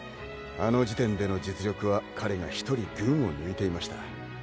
あの時点での実力は彼がひとり群を抜いていました。